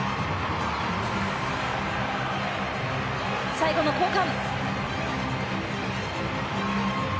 最後の交換。